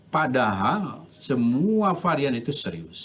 padahal semua varian itu serius